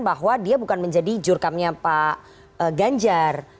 bahwa dia bukan menjadi jurkamnya pak ganjar